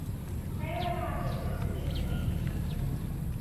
ได้เวลาเก็บบันทึกอินเทอร์เน็ตอีกครั้งนึง